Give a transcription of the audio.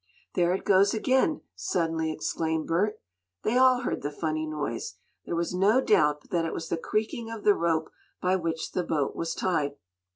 "There it goes again!" suddenly exclaimed Bert. They all heard the funny noise. There was no doubt but that it was the creaking of the rope by which the boat was tied.